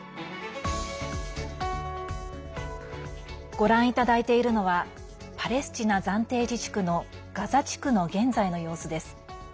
ご覧いただいているのはパレスチナ暫定自治区のガザ地区の現在の様子です。